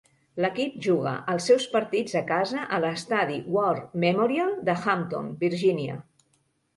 L'equip juga els seus partits a casa a l'estadi War Memorial de Hampton, Virginia.